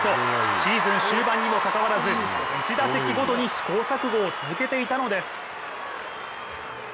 シーズン終盤にもかかわらず１打席ごとに試行錯誤を続けていたのです。